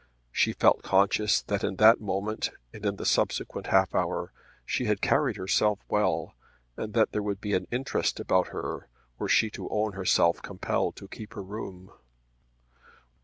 She felt conscious that in that moment and in the subsequent half hour she had carried herself well, and that there would be an interest about her were she to own herself compelled to keep her room.